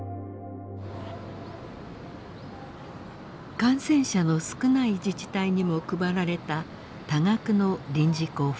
感染者の少ない自治体にも配られた多額の臨時交付金。